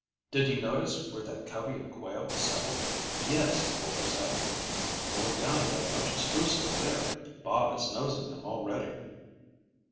Did you notice where that covey of quail settled?" "Yes," Walter said, "they went down in that bunch of spruce over there. Bob is nosing them up already."